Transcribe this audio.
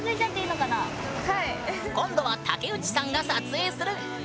今度は竹内さんが撮影する。